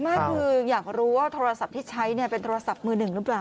ไม่คืออยากรู้ว่าโทรศัพท์ที่ใช้เป็นโทรศัพท์มือหนึ่งหรือเปล่า